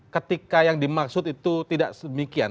ketika yang dimaksud itu tidak sedemikian